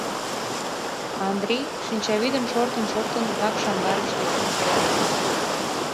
Андрий, шинчавӱдын шортын-шортын, вакш амбарыш лектын кая.